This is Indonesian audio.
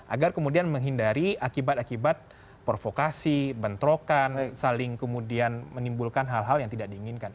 agar kemudian menghindari akibat akibat provokasi bentrokan saling kemudian menimbulkan hal hal yang tidak diinginkan